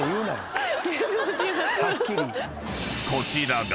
［こちらが］